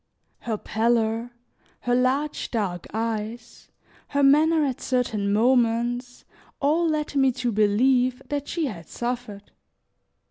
Her pallor, her large dark eyes, her manner at certain moments, all led me to believe that she had suffered.